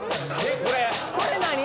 これ何？